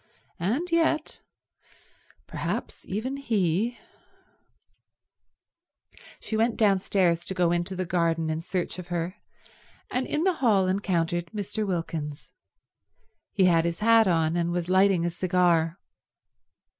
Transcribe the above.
And yet—perhaps even he— She went downstairs to go into the garden in search of her, and in the hall encountered Mr. Wilkins. He had his hat on, and was lighting a cigar.